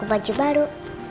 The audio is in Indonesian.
ini masih lagi grammar china ya